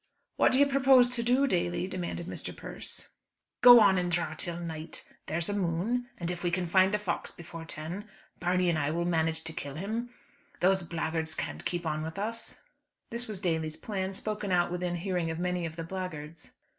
"What do you propose to do, Daly?" demanded Mr. Persse. "Go on and draw till night. There's a moon, and if we can find a fox before ten, Barney and I will manage to kill him. Those blackguards can't keep on with us." This was Daly's plan, spoken out within hearing of many of the blackguards.